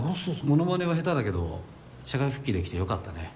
モノマネは下手だけど社会復帰できてよかったね。